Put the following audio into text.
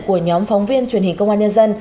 của nhóm phóng viên truyền hình công an nhân dân